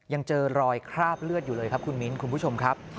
ยังเจอรอยคราบเลือดอยู่เลยครับคุณมิ้นคุณผู้ชมครับ